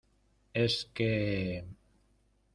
es que...